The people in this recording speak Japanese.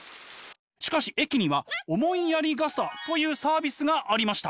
しかし駅には思いやり傘というサービスがありました！